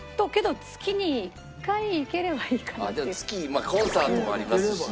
まあコンサートもありますし。